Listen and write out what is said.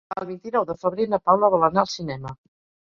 El vint-i-nou de febrer na Paula vol anar al cinema.